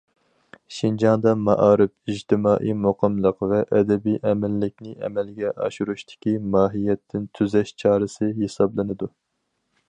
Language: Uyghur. شىنجاڭدا مائارىپ ئىجتىمائىي مۇقىملىق ۋە ئەبەدىي ئەمىنلىكنى ئەمەلگە ئاشۇرۇشتىكى ماھىيەتتىن تۈزەش چارىسى ھېسابلىنىدۇ.